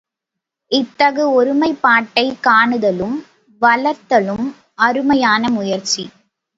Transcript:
இத்தகு ஒருமைப்பாட்டைக் காணுதலும் வளர்த்தலும் அருமையான முயற்சி.